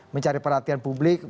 mencari perhatian publik